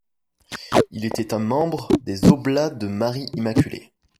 Il était un membre des Oblats de Marie-Immaculée.